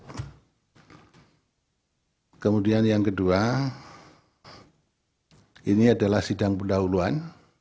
nah kemudian yang kedua ini adalah sidang pendahuluan